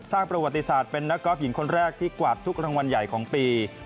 ประวัติศาสตร์เป็นนักกอล์ฟหญิงคนแรกที่กวาดทุกรางวัลใหญ่ของปี